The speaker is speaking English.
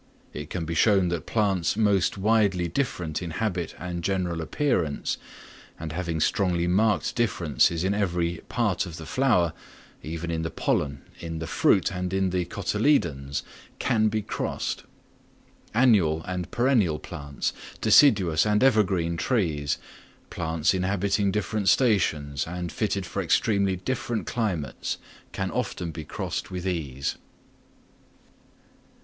It can be shown that plants most widely different in habit and general appearance, and having strongly marked differences in every part of the flower, even in the pollen, in the fruit, and in the cotyledons, can be crossed. Annual and perennial plants, deciduous and evergreen trees, plants inhabiting different stations and fitted for extremely different climates, can often be crossed with ease.